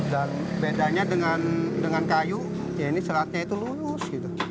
dan bedanya dengan kayu ya ini selatnya itu lulus gitu